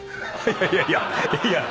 いやいやいやいや。